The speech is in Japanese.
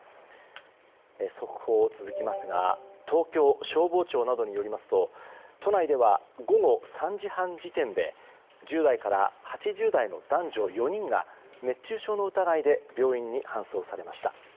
速報が続きますが東京消防庁などによりますと都内では午後３時半時点で１０代から８０代の男女４人が熱中症の疑いで病院に搬送されました。